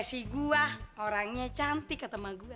eh si gua orangnya cantik kata emak gua